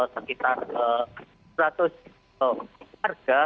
sekitar seratus warga